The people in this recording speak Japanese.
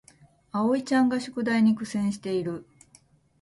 あおいちゃんが宿題に苦戦している